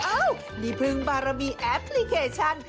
อ้าวนี่พึ่งบารมีแอปพลิเคชัน